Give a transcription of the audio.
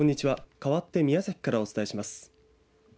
かわって宮崎からお伝えします。